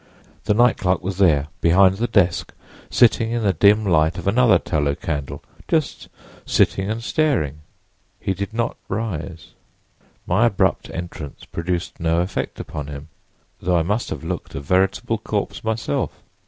The night clerk was there, behind the desk, sitting in the dim light of another tallow candle—just sitting and staring. He did not rise: my abrupt entrance produced no effect upon him, though I must have looked a veritable corpse myself.